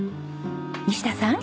西田さん。